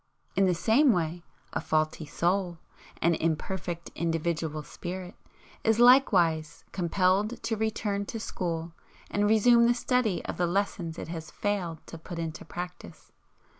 In the same way a faulty Soul, an imperfect individual Spirit, is likewise compelled to return to school and resume the study of the lessons it has failed to put into practice.